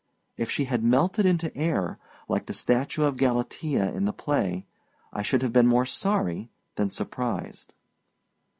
If she had melted into air, like the statue of Galatea in the play, I should have been more sorry than surprised.